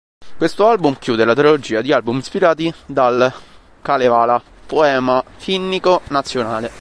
Questo album chiude la trilogia di album ispirati dal Kalevala, poema finnico nazionale.